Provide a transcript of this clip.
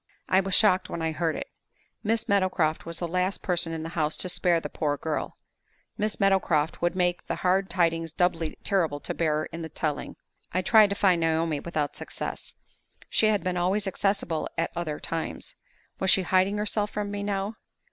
I was shocked when I heard it. Miss Meadowcroft was the last person in the house to spare the poor girl; Miss Meadowcroft would make the hard tidings doubly terrible to bear in the telling. I tried to find Naomi, without success. She had been always accessible at other times. Was she hiding herself from me now?